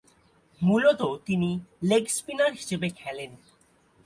মূলতঃ তিনি leg spinner হিসেবে খেলেন।